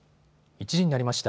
１時になりました。